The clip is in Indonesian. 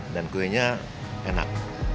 dan kuenya enak